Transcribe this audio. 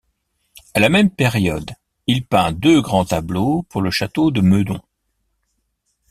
À la même période, il peint deux grands tableaux pour le château de Meudon.